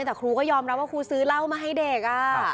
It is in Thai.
แต่ครูก็ยอมรับว่าครูซื้อเหล้ามาให้เด็ก